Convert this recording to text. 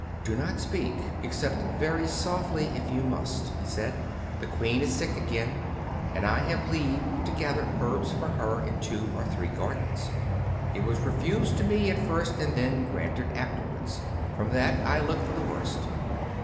" Do not speak except very softly, if you must," he said. " The Queen is sick again ; and I have leave to gather herbs for her in two or three gardens. It was refused to me at first and then granted afterwards. From that I look for the worst.